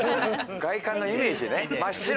外観のイメージね。